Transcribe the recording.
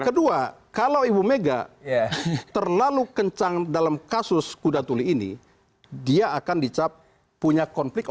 kedua kalau ibu mega terlalu kencang dalam kasus kuda tuli ini dia akan dicap punya konflik